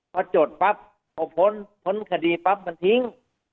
พอจดปั๊บพอพ้นพ้นคดีปั๊บมันทิ้ง